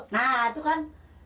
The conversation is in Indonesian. nah tuh kan